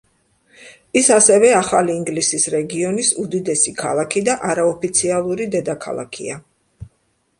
ის ასევე ახალი ინგლისის რეგიონის უდიდესი ქალაქი და არაოფიციალური დედაქალაქია.